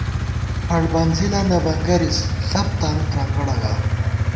ہڑ بَنزِلہ نہ بَنگَرِس ، ݪپ تانُو ترنگَڑہ گا